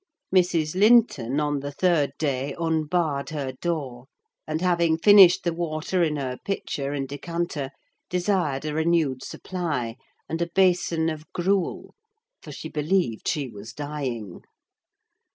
Mrs. Linton, on the third day, unbarred her door, and having finished the water in her pitcher and decanter, desired a renewed supply, and a basin of gruel, for she believed she was dying.